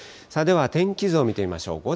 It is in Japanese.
では、天気図を見てみましょう。